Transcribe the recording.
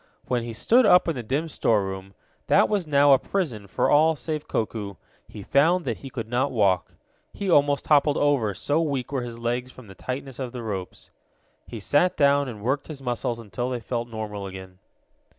When he stood up in the dim storeroom, that was now a prison for all save Koku, he found that he could not walk. He almost toppled over, so weak were his legs from the tightness of the ropes. He sat down and worked his muscles until they felt normal again.